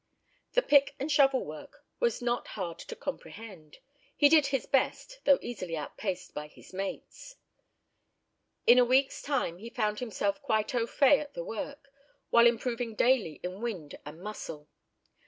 The pick and shovel work was not hard to comprehend. He did his best, though easily outpaced by his mates. In a week's time he found himself quite au fait at the work, while improving daily in wind and muscle.